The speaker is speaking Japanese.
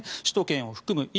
首都圏を含む